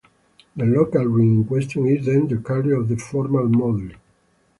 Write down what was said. The local ring in question is then the carrier of the formal moduli.